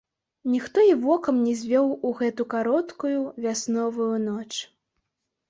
Ніхто і вокам не звёў у гэту кароткую вясновую ноч.